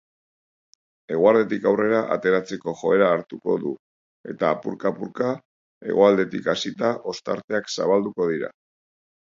Eguerditik aurrera atertzeko joera hartuko du eta apurka-apurka hegoaldetik hasita ostarteak zabalduko dira.